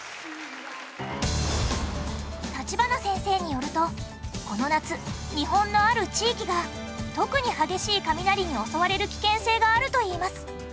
立花先生によるとこの夏日本のある地域が特に激しい雷に襲われる危険性があるといいます。